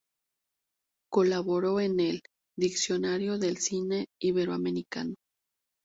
Colaboró en el "Diccionario del Cine Iberoamericano.